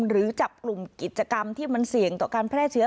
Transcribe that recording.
หรือจับกลุ่มกิจกรรมที่มันเสี่ยงต่อการแพร่เชื้อ